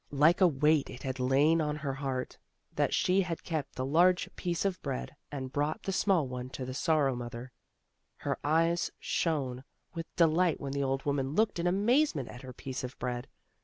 Like a weight it had lain on her heart, that she had kept the large piece of bread and brought the small one to the Sorrow mother; Her eyes shone with delight when the old woman looked in amazement at her piece of bread.